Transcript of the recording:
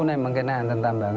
nah polisi lawan